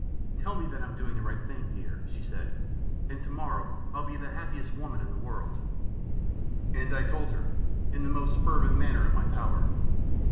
"Tell me that I am doing the right thing, dear," she said, "and to morrow I'll be the happiest woman in the world." And I told her, in the most fervent manner in my power.